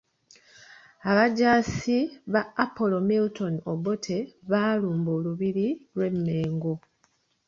Abajaasi ba Apollo Milton Obote baalumba Olubiri lw’e Mmengo.